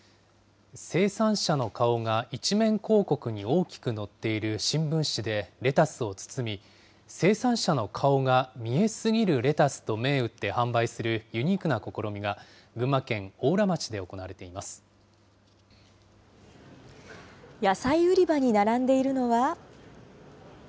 生産者の顔が一面広告に大きく載っている新聞紙でレタスを包み、生産者の顔が見えすぎるレタス！？と銘打って販売するユニークな試みが群馬県邑楽町で行われていま野菜売り場に並んでいるのは。